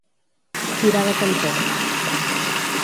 Girar de cantó.